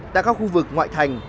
tại các khu vực ngoại thành